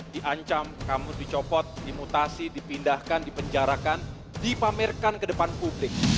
diancam kamu dicopot dimutasi dipindahkan dipenjarakan dipamerkan ke depan publik